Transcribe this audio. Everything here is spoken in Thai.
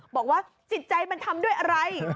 บอกว่าจิตใจมันทำด้วยอะไร